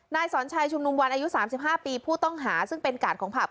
นายสอนชัยชุมนุมวันอายุ๓๕ปีผู้ต้องหาซึ่งเป็นกาดของผับ